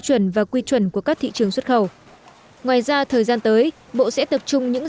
chuẩn và quy chuẩn của các thị trường xuất khẩu ngoài ra thời gian tới bộ sẽ tập trung những